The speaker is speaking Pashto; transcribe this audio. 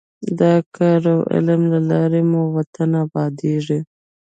د کار او علم له لارې مو وطن ابادېږي.